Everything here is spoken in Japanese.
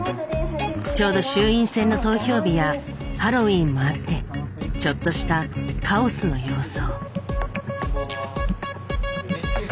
ちょうど衆院選の投票日やハロウィーンもあってちょっとしたカオスの様相。